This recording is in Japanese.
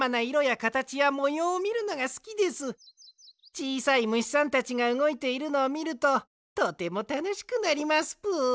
ちいさいむしさんたちがうごいているのをみるととてもたのしくなりますぷ。